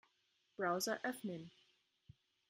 Browser öffnen.